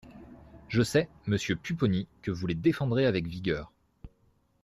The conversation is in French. Je sais, monsieur Pupponi, que vous les défendrez avec vigueur.